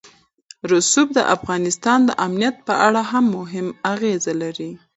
رسوب د افغانستان د امنیت په اړه هم پوره اغېز لري.